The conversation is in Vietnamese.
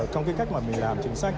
trong cách mà mình làm chính sách